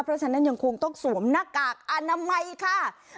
เพราะฉะนั้นยังคงต้องสวมหน้ากากอนามัยค่ะ